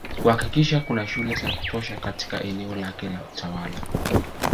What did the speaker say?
Kuhakikisha kuna shule za kutosha katika eneo lake la utawala